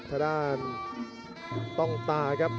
ทางด้านต้องตาครับ